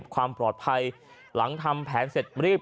ความปลอดภัยหลังทำแผนเสร็จรีบ